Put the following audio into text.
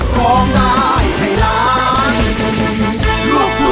สวัสดีครับ